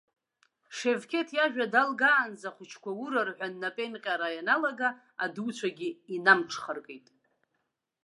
Шевкет иажәа далгаанӡа ахәыҷқәа ура рҳәан анапеинҟьара ианалага, адуцәагьы инамҽхаркит.